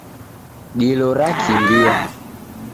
Dilo rakimbia